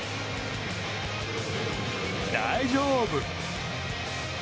大丈夫！